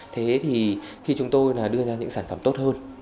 thế thì khi chúng tôi là đưa ra những sản phẩm tốt hơn